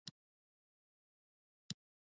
• باران د ماشومانو لپاره د لوبو وخت وي.